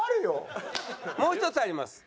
もう一つあります。